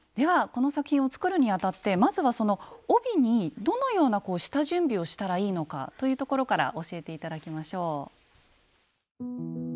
この作品を作るにあたってまずはその帯にどのような下準備をしたらいいのかというところから教えて頂きましょう。